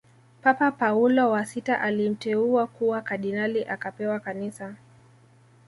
Papa Paulo wa sita alimteua kuwa kardinali akapewa kanisa